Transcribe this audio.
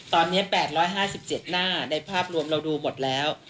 ตอนนี้๘๕๗หน้าในภาพรวมเราดูหมดแล้ว